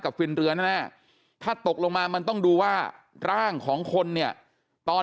ฟินเรือแน่ถ้าตกลงมามันต้องดูว่าร่างของคนเนี่ยตอน